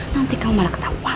nanti kamu malah ketahuan